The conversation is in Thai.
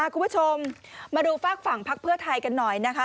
คุณผู้ชมมาดูฝากฝั่งพักเพื่อไทยกันหน่อยนะคะ